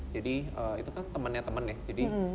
jadi itu kan temannya teman ya